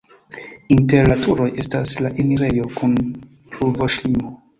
Inter la turoj estas la enirejo kun pluvoŝirmilo.